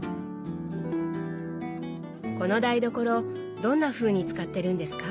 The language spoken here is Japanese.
この台所どんなふうに使ってるんですか？